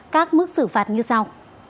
các mức xử phạt như sau